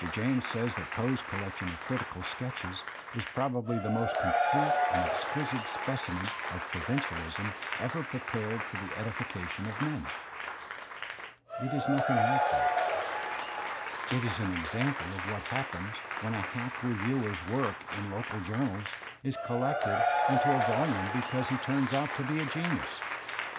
James says that Poe's collection of critical sketches "is probably the most complete and ex quisite specimen of provincicdism ever prepared for the edifi cation of men."* It if nothing like that. It is an example *See page 149 Digitized by Google 10 THE SPIRIT OF AMERICAN LITERATURE of what happens when a hack reviewer's work in local journals is collected into a volume because he turns out to be a genius.